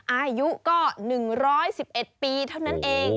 อายุก็๑๑๑ปีเท่านั้นเอง